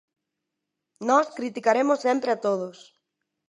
Nós criticaremos sempre a todos.